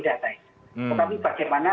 data itu tapi bagaimana